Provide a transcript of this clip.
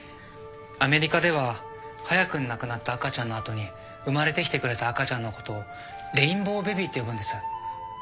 アメリカでは早くに亡くなった赤ちゃんの後に生まれてきてくれた赤ちゃんのことをレインボーベビーって呼ぶんです。